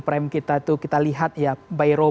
prime kita itu kita lihat ya by row